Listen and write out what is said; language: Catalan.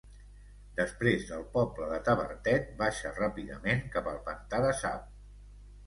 Després del poble de Tavertet, baixa ràpidament cap al pantà de Sau.